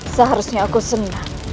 seharusnya aku senang